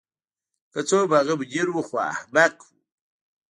که څه هم هغه مدیر و خو احمق نه و